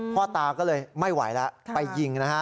พ่อตาก็เลยไม่ไหวแล้วไปยิงนะฮะ